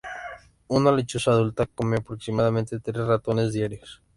Una lechuza adulta come aproximadamente tres ratones diarios.